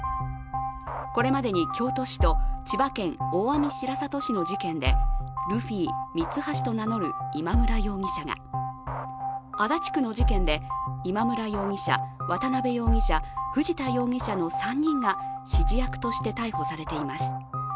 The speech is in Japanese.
これまでに京都市と千葉県大網白里市の事件でルフィ、ミツハシと名乗る今村容疑者が、足立区の事件で今村容疑者、渡辺容疑者、藤田容疑者の３人が指示役として逮捕されています。